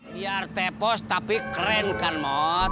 biar tepos tapi keren kan mot